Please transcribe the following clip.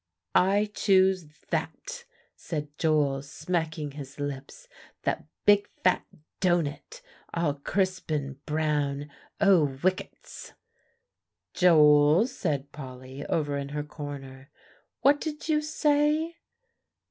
"I choose that," said Joel, smacking his lips; "that big fat doughnut, all crisp and brown. O whickets!" "Joel," said Polly over in her corner, "what did you say?"